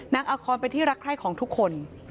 อาคอนเป็นที่รักใคร่ของทุกคน